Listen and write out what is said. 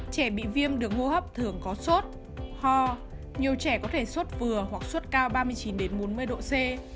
trẻ bị viêm đường hô hấp thường có sốt ho nhiều trẻ có thể sốt vừa hoặc suốt cao ba mươi chín bốn mươi độ c